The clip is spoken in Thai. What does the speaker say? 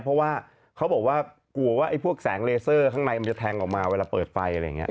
เพราะว่าเขาบอกว่ากลัวว่าไอ้พวกแสงเลเซอร์ข้างในมันจะแทงออกมาเวลาเปิดไฟอะไรอย่างนี้